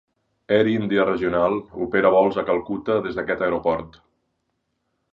Air India Regional opera vols a Calcuta des d'aquest aeroport.